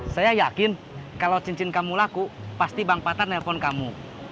saya yakin kalau cincin kamu laku pasti bang patah nelfon kamu